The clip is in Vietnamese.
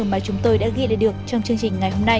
mà chúng tôi đã ghi lại được trong chương trình ngày hôm nay